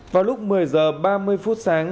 vào lúc một mươi h ba mươi phút sáng